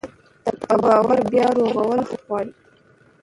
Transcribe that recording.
د باور بیا رغول وخت غواړي